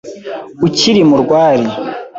Ukiri mu rwari